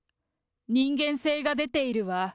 人間性が出ているわ。